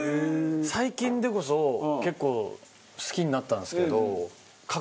最近でこそ結構好きになったんですけど。